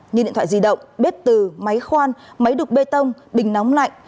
như điện thoại di động bếp từ máy khoan máy đục bê tông bình nóng lạnh